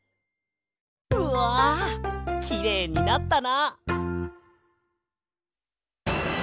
うわきれいになったな！